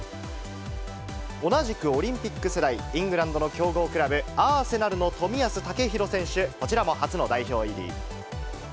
同じくオリンピック世代、イングランドの強豪クラブ、アーセナルの冨安健洋選手、こちらも初の代表入り。